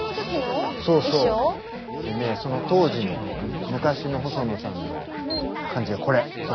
でねその当時の昔の細野さんの感じがこれ。